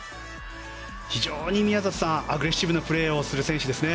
非常に宮里さん、アグレッシブなプレーをする選手ですね。